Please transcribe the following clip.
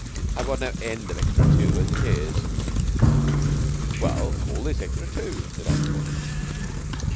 "I've got no end of extra tu as it is." "Well, call this extra tu," said Ansell.